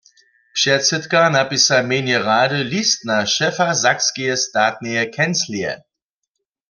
Předsydka napisa w mjenje rady list na šefa Sakskeje statneje kenclije.